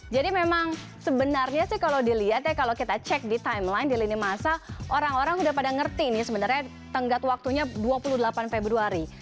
jadi memang sebenarnya kalau kita cek di timeline di lini masa orang orang sudah pada mengerti sebenarnya tenggat waktunya dua puluh delapan februari